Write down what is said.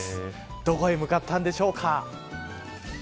どこへ向かったんでしょうか。